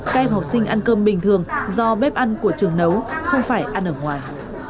các em học sinh ăn cơm bình thường do bếp ăn của trường nấu không phải ăn ở ngoài